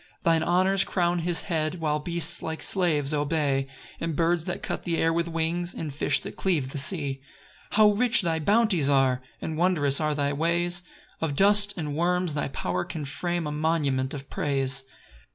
5 Thine honours crown his head, While beasts like slaves obey, And birds that cut the air with wings, And fish that cleave the sea. 6 How rich thy bounties are! And wondrous are thy ways: Of dust and worms thy power can frame A monument of praise.